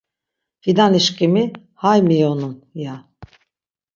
Fidanişǩimi hay miyonun, ya.